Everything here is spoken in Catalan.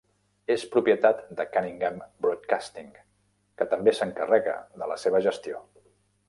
És propietat de Cunningham Broadcasting que també s'encarrega de la seva gestió.